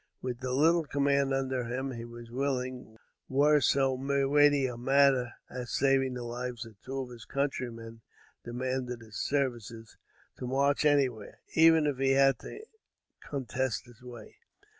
With the little command under him he was willing, where so weighty a matter as saving the lives of two of his countrymen demanded his services, to march anywhere even if he had to contest his way.